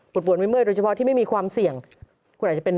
ปวดปวดเมื่อยโดยเฉพาะที่ไม่มีความเสี่ยงคุณอาจจะเป็น